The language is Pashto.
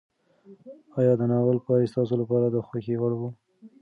ایا د ناول پای ستاسو لپاره د خوښۍ وړ و؟